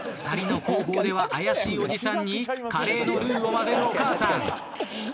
２人の後方では怪しいおじさんにカレーのルーをまぜるお母さん。